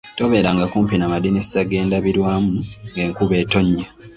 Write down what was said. Tobeeranga kumpi n'amadirisa g'endabirwamu ng'enkuba etonnya.